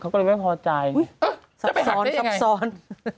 เขาเลยไม่พอจ่ายเลยเหรอจะไปหักได้ยังไงอุ๊ยซับซ้อน